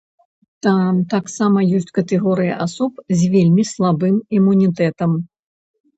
Там таксама ёсць катэгорыі асоб з вельмі слабым імунітэтам.